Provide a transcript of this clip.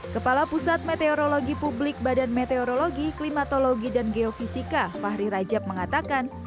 kepala pusat meteorologi publik badan meteorologi klimatologi dan geofisika fahri rajab mengatakan